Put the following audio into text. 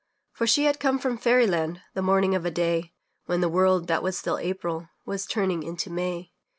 For she had come from fairy land, The morning of a day When the world that still was April Was turning into May.